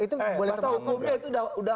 itu boleh terbawah